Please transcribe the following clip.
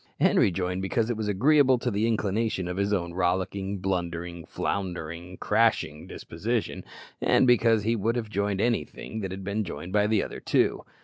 Henri joined because it was agreeable to the inclination of his own rollicking, blundering, floundering, crashing disposition, and because he would have joined anything that had been joined by the other two.